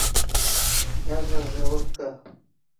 Язва желудка.